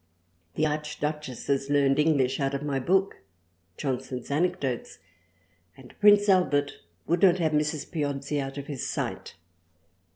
The Arch Duchesses learned English out of my Book (Johnson's Anecdotes) and Prince Albert would not have Mrs Piozzi out of his sight.